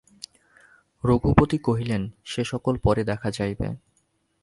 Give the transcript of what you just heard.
রঘুপতি কহিলেন, সে–সকল পরে দেখা যাইবে।